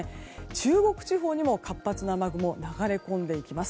中国地方にも活発な雨雲が流れ込んでいきます。